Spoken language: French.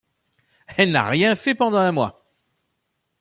Elle n'a rien fait pendant un mois.